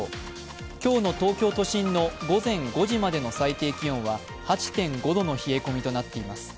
今日の東京都心の午前５時までの最低気温は８．５度の冷え込みとなっています。